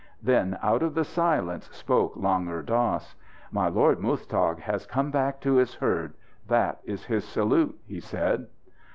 Then out of the silence spoke Langur Dass. "My lord Muztagh has come back to his herd that is his salute," he said.